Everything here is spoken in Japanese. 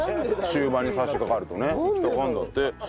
中盤に差し掛かるとね行きたがるんだって。